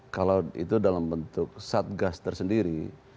kalau itu dalam bentuk satgas tersendiri